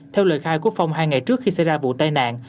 theo lời khai của phong hai ngày trước khi xảy ra vụ tai nạn